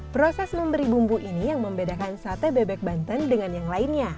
proses memberi bumbu ini yang membedakan sate bebek banten dengan yang lainnya